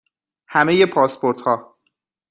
همه پاسپورت ها